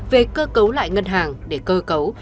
về cơ cấu lại ngân hàng để cơ cấu